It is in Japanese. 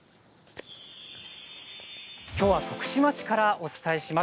きょうは徳島市からお伝えします。